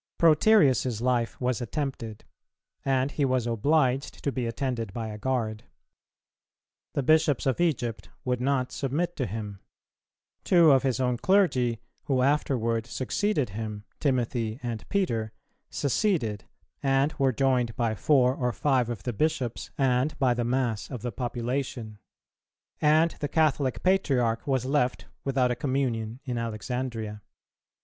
Proterius's life was attempted, and he was obliged to be attended by a guard. The Bishops of Egypt would not submit to him; two of his own clergy, who afterward succeeded him, Timothy and Peter, seceded, and were joined by four or five of the Bishops and by the mass of the population;[318:1] and the Catholic Patriarch was left without a communion in Alexandria.